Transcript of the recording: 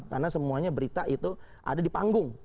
karena semuanya berita itu ada di panggung